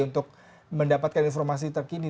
untuk mendapatkan informasi terkini